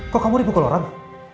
kok kamu dipukul orang